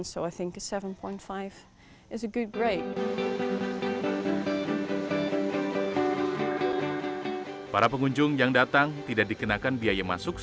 tapi kamu tahu ini pengalaman yang sangat bagus jadi aku pikir tujuh lima adalah kelas yang bagus